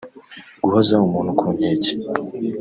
guhoza umuntu ku nkeke